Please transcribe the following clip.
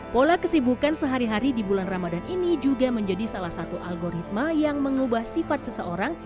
pola kesibukan sehari hari di bulan ramadan ini juga menjadi salah satu algoritma yang mengubah sifat seseorang